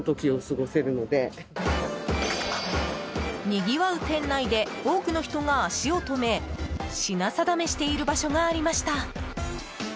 にぎわう店内で多くの人が足を止め品定めしている場所がありました。